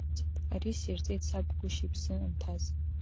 Ари сирҵеит саб гәышьа иԥсы анҭаз.